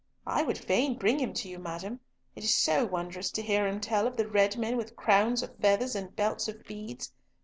I would fain bring him to you, madam. It is so wondrous to hear him tell of the Red Men with crowns of feathers and belts of beads.